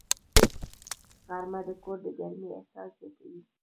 غرمه د کور د ګرمۍ احساس زیاتوي